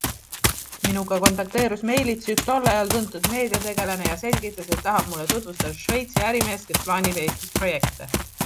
Minuga kontakteerus meilitsi üks tol ajal tuntud meediategelane ja selgitas, et tahab mulle tutvustada Šveitsi ärimeest, kes plaanib Eestis projekte.